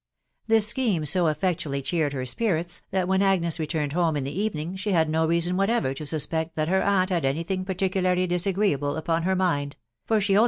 This scheme so effectually cheered her spirits, that when Agnes re turned home in the evening she had no reason whatever to suspect that her aunt had any thing particularly disagreeable upon her mind